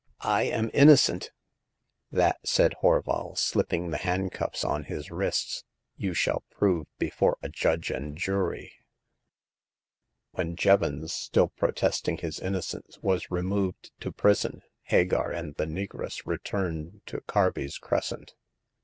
" I am innocent !'* *'That," said Horval, slipping the handcuffs on his wrists, you shall prove before a judge and jury." When Jevons, still protesting his innocence, was removed to prison, Hagar and the negress returned to Carby*s Crescent.